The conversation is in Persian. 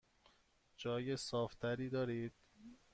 جای صاف تری دارید؟